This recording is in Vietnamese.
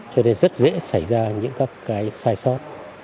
cho nên rất dễ xảy ra những các cái sai sót